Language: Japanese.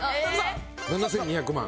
７２００万。